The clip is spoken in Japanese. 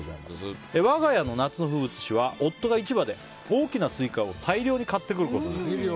我が家の夏の風物詩は夫が市場で大きなスイカを大量に買ってくることです。